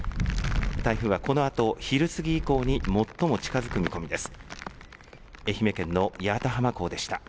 台風はこのあと昼過ぎ以降に最も近づく見込みです。